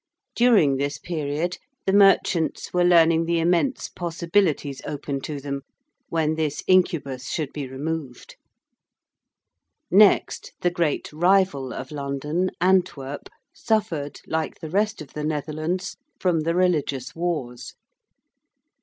During this period the merchants were learning the immense possibilities open to them when this incubus should be removed. Next, the great rival of London, Antwerp, suffered, like the rest of the Netherlands, from the religious wars.